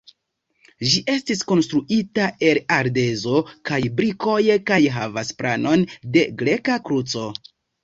Ĝi estis konstruita el ardezo kaj brikoj kaj havas planon de greka kruco.